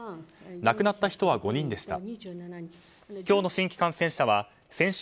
亡くなった人は５人でした。